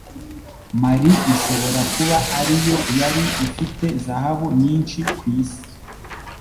Mali ishobora kuba ari yo yari ifite zahabu nyinshi kwisi